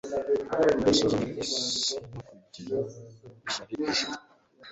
gusuzugura isi no kugirira ishyari ijuru